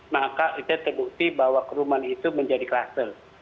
maka itu terbukti bahwa kerumunan itu menjadi kluster